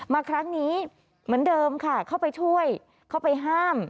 มาครั้งนี้เหมือนเดิมค่ะเข้าไปช่วยเข้าไปห้าม